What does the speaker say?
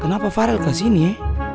kenapa farel ke sini ya